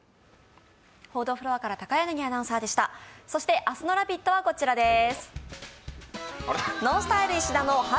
そして明日の「ラヴィット！」はこちらです。